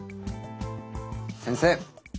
先生！